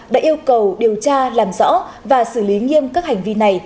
đã yêu cầu điều tra làm rõ và xử lý nghiêm các hành vi này